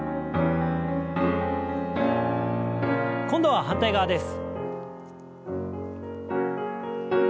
今度は反対側です。